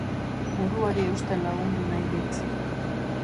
Buruari eusten lagundu nahi dit.